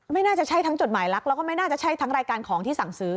ไม่น่าจะใช่ทั้งจดหมายลักษณ์แล้วก็ไม่น่าจะใช่ทั้งรายการของที่สั่งซื้อ